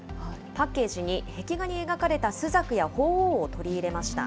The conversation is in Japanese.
パッケージに壁画に描かれた朱雀や鳳凰を取り入れました。